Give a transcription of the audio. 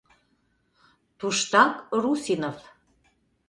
Туштак Русинов.